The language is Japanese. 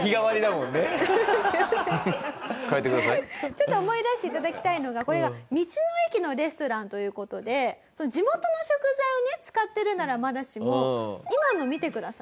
ちょっと思い出して頂きたいのがこれが道の駅のレストランという事で地元の食材を使ってるならまだしも今の見てください。